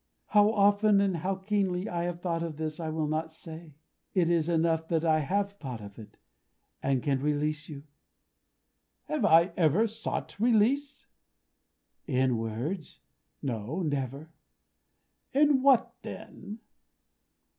How often and how keenly I have thought of this, I will not say. It is enough that I have thought of it, and can release you." "Have I ever sought release?" "In words. No. Never." "In what, then?"